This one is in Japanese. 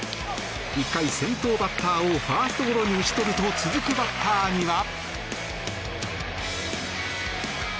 １回、先頭バッターをファーストゴロに打ち取ると続くバッターには。